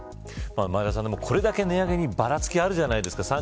これだけ値上げにばらつきあるじゃないですか。